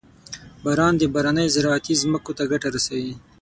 • باران د بارانۍ زراعتي ځمکو ته ګټه رسوي.